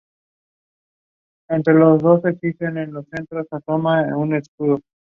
Tenía entonces veintidós años.